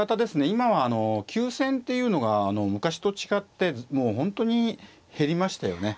今はあの急戦っていうのが昔と違ってもう本当に減りましたよね。